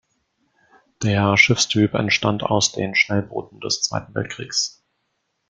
Der Schiffstyp entstand aus den Schnellbooten des Zweiten Weltkriegs.